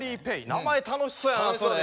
名前楽しそうやなそれ。